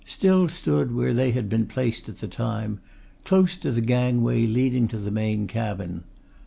still stood where they had been placed at the time; close to the gangway leading to the main cabin.